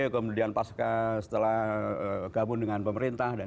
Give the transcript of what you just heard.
kemudian pas setelah gabung dengan pemerintah